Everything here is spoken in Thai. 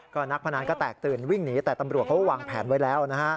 ก็นักพนันก็แตกตื่นวิ่งหนีแต่ตำรวจเขาก็วางแผนไว้แล้วนะฮะ